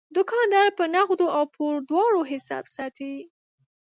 دوکاندار په نغدو او پور دواړو حساب ساتي.